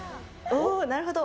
なるほど。